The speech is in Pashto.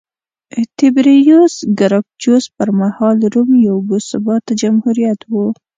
تیبریوس ګراکچوس پرمهال روم یو باثباته جمهوریت و